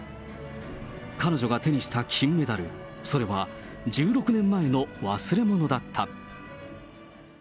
彼女が手にした金メダル、それは、１６年前の忘れ物だった。